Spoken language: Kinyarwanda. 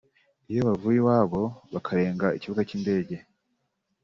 Iyo bavuye iwabo bakarenga ikibuga cy’indege